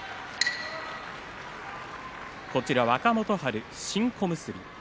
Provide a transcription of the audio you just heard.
若元春は新小結。